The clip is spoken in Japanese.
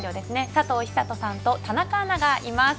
佐藤寿人さんと田中アナがいます。